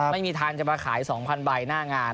ไม่มีทางจะมาขาย๒๐๐ใบหน้างาน